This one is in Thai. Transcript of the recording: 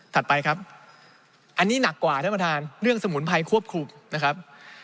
ไปครับอันนี้หนักกว่าท่านประธานเรื่องสมุนไพรควบคุมนะครับ